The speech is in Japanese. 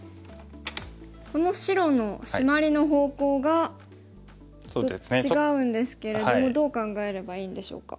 この白のシマリの方向が違うんですけれどもどう考えればいいんでしょうか。